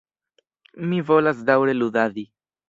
Mi volas daŭre ludadi.